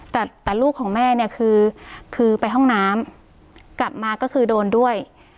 แต่แต่ลูกของแม่เนี่ยคือคือไปห้องน้ำกลับมาก็คือโดนด้วย